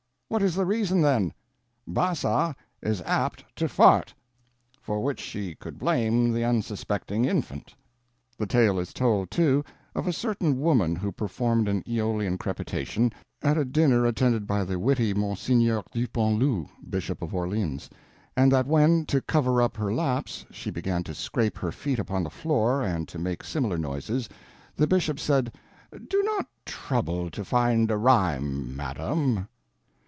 What is the reason then. Bassa is apt to fart. (For which she could blame the unsuspecting infant.)" The tale is told, too, of a certain woman who performed an aeolian crepitation at a dinner attended by the witty Monsignieur Dupanloup, Bishop of Orleans, and that when, to cover up her lapse, she began to scrape her feet upon the floor, and to make similar noises, the Bishop said, "Do not trouble to find a rhyme, Madam!"